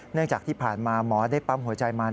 เนื่องจากที่ผ่านมาหมอได้ปั๊มหัวใจมัน